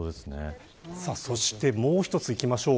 そしてもう一ついきましょう。